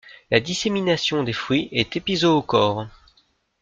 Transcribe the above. La dissémination des fruits est épizoochore.